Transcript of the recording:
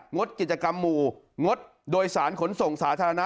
งดกิจกรรมหมู่งดโดยสารขนส่งสาธารณะ